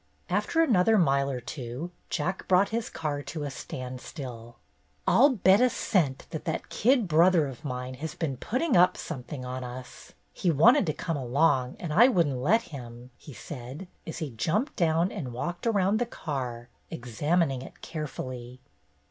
After another mile or two Jack brought his car to a standstill. "I'll bet a cent that that kid brother of mine has been putting up something on us. He wanted to come along and I would n't let him," he said, as he jumped down and walked around the car, examining it carefully.